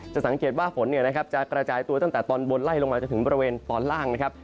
สังเกตว่าฝนจะกระจายตัวตั้งแต่ตอนบนไล่ลงมาจนถึงบริเวณตอนล่างนะครับ